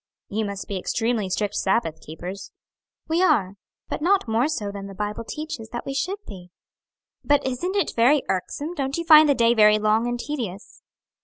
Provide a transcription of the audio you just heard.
"You must be extremely strict Sabbath keepers." "We are, but not more so than the Bible teaches that we should be." "But isn't it very irksome? don't you find the day very long and tedious?"